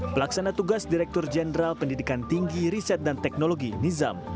pelaksana tugas direktur jenderal pendidikan tinggi riset dan teknologi nizam